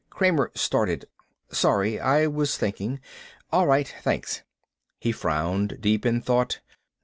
Kramer started. "Sorry. I was thinking. All right, thanks." He frowned, deep in thought.